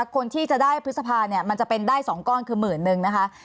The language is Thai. คนที่จะได้พฤษภาเนี่ยมันจะเป็นได้๒ก้อนคือหมื่นนึงนะคะ